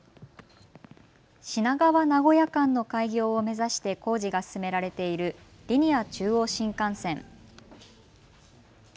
品川・名古屋間の開業を目指して工事が進められているリニア中央新幹線。